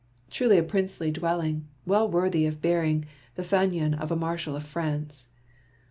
Truly a princely dwelling, well worthy of bearing the fanion of a Marshal of France.